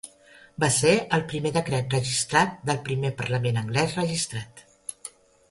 Va ser el primer decret registrat del primer parlament anglès registrat.